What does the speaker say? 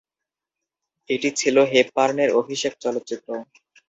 এটি ছিল হেপবার্নের অভিষেক চলচ্চিত্র।